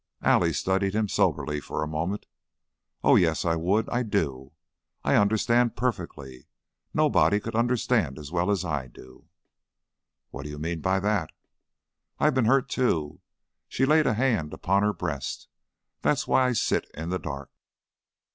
Allie studied him soberly for a moment. "Oh yes, I would! I do! I understand perfectly. Nobody could understand as well as I do." "What do you mean by that?" "I've been hurt, too." She laid a hand upon her breast. "That's why I sit in the dark."